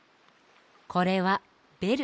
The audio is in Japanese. これはベル。